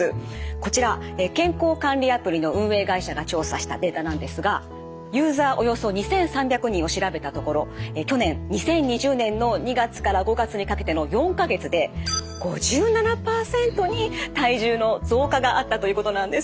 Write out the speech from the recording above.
こちら健康管理アプリの運営会社が調査したデータなんですがユーザーおよそ２，３００人を調べたところ去年２０２０年の２月から５月にかけての４か月で５７％に体重の増加があったということなんです。